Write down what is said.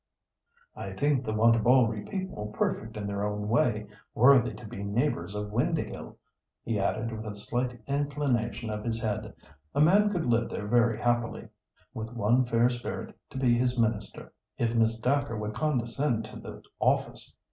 "I think the Wantabalree people perfect in their own way, worthy to be neighbours of Windāhgil," he added with a slight inclination of his head. "A man could live there very happily, 'with one fair spirit to be his minister,' if Miss Dacre would condescend to the office.